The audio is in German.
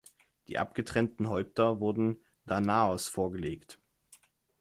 Die abgetrennten Häupter wurden Danaos vorgelegt.